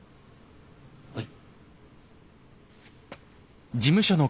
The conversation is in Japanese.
はい。